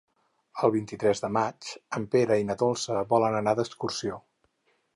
El vint-i-tres de maig en Pere i na Dolça volen anar d'excursió.